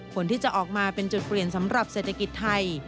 ผลที่จะออกมาเป็นจุดเปลี่ยนสำหรับเศรษฐกิจไทย